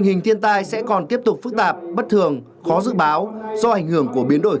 nghiên cứu đề xuất sự hỗ trợ về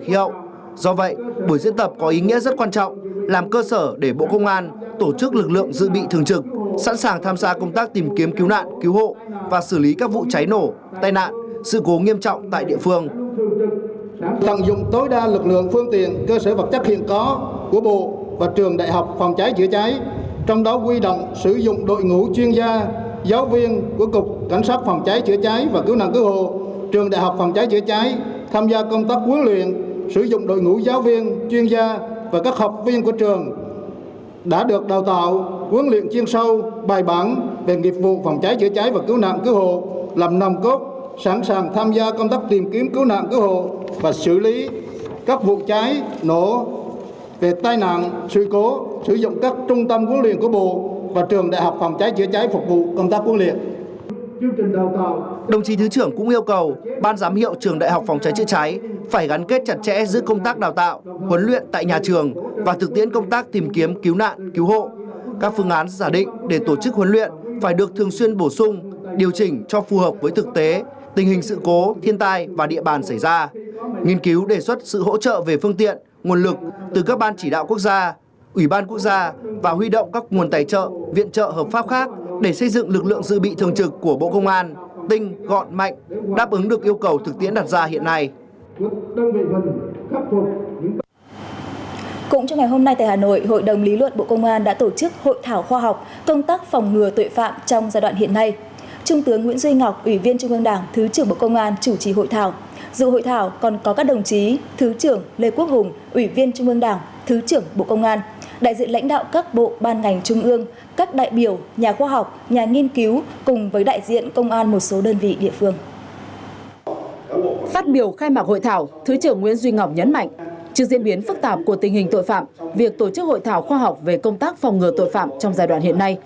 phương tiện nguồn lực từ các ban chỉ đạo quốc gia ủy ban quốc gia và huy động các nguồn tài trợ viện trợ hợp pháp khác để xây dựng lực lượng dự bị thường trực của bộ công an tinh gọn mạnh đáp ứng được yêu cầu thực tiễn đặt ra hiện nay